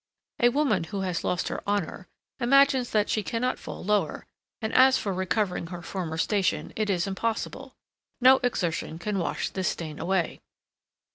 A woman who has lost her honour, imagines that she cannot fall lower, and as for recovering her former station, it is impossible; no exertion can wash this stain away.